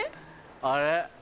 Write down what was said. あれ？